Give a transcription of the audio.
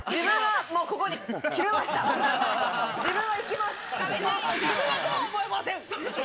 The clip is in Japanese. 自分はそうは思いません！